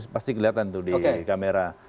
pasti kelihatan di kamera